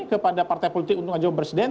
kepada partai politik untuk maju presiden